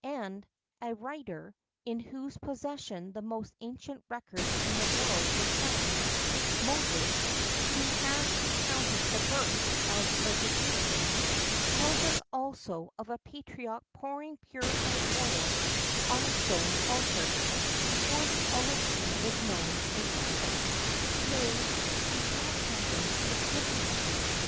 [XII 9] And a writer, in whose possession the most ancient records in the world were found Moses who has recounted the birth of vegetation,[XII 10] tells us also of a patriarch pouring purified oil on a stone altar,[XII 11] before the olive tree was known in Athens nay, before Athens existed.